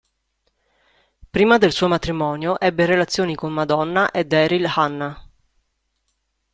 Prima del suo matrimonio ebbe relazioni con Madonna e Daryl Hannah.